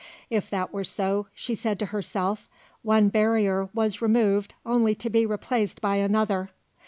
If that were so, she said to herself, one barrier was removed only to be replaced by another.